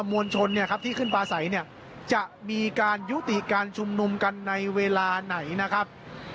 มวลชนเนี่ยครับที่ขึ้นปลาใสเนี่ยจะมีการยุติการชุมนุมกันในเวลาไหนนะครับ